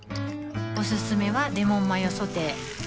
おすすめはレモンマヨソテー